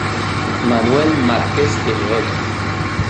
Manuel Márquez de León.